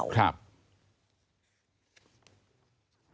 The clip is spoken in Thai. ครับ